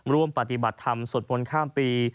ร่วมปฏิบัติธรรมสวดมนต์ข้ามปี